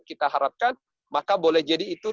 kita harapkan maka boleh jadi itu